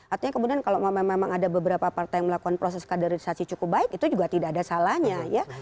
artinya kemudian kalau memang ada beberapa partai yang melakukan proses kaderisasi cukup baik itu juga tidak ada salahnya ya